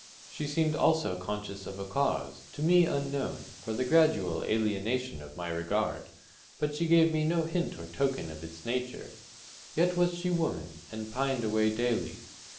She seemed, also, conscious of a cause, to me unknown, for the gradual alienation of my regard; but she gave me no hint or token of its nature. Yet was she woman, and pined away daily.